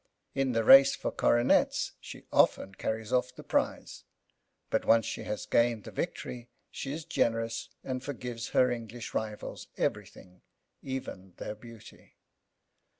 In the race for coronets she often carries off the prize; but, once she has gained the victory, she is generous and forgives her English rivals everything, even their beauty.